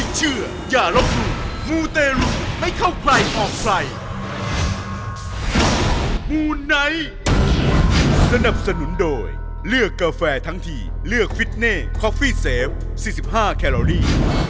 สี่สิบห้าแคร์โลลี่